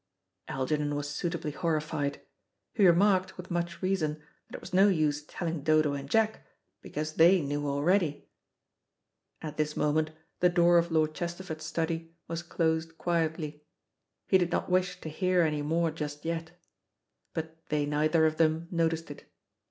Algernon was suitably horrified. He remarked, with much reason, that it was no use telling Dodo and Jack, because they knew already. At this moment the door of Lord Chesterford's study was closed quietly. He did not wish to hear any more just yet. But they neither of them noticed it.